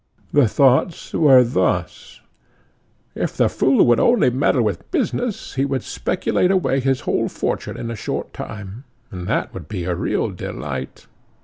The thoughts were thus: "If the fool would only meddle with business, he would speculate away his whole fortune in a short time, and that would be a real delight.